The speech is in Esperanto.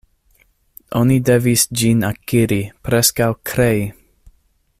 Oni devis ĝin akiri, preskaŭ krei.